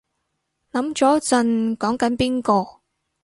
諗咗陣講緊邊個